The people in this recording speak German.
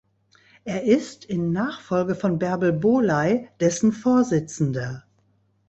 Er ist, in Nachfolge von Bärbel Bohley, dessen Vorsitzender.